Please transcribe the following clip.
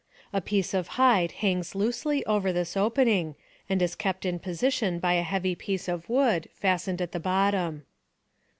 A piece of hide hangs loosely over this opening, and is kept in position by a heavy piece of wood fastened at the bottom.